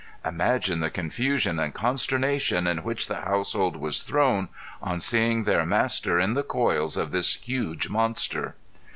... imagine the confusion and consternation in which the household was thrown on seeing their master in the coils of this huge monster.